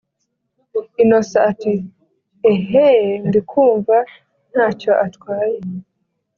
innocent ati”eeeeehhhh ndikumva ntacyo atwaye”